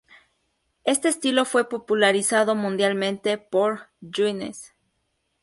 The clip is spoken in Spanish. Este estilo fue popularizado mundialmente por Guinness.